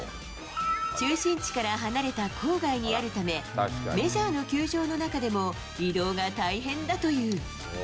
中心地から離れた郊外にあるため、メジャーの球場の中でも移動が大変だという。